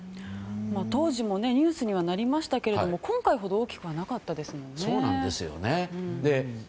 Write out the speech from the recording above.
当時もニュースにはなりましたけれども今回ほど大きくはなかったですよね。